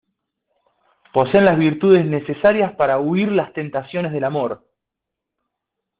poseen la virtud necesaria para huir las tentaciones del amor.